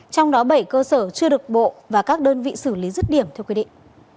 trong đó bảy cơ sở chưa được bộ và các đơn vị xử lý rứt điểm theo quy định